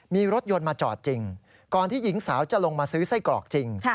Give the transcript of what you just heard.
มีรถยนต์มาจอดจริงก่อนที่หญิงสาวจะลงมาซื้อไส้กรอกจริง